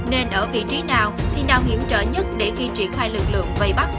nên ở vị trí nào thì nào hiểm trở nhất để khi triển khai lực lượng vầy bắc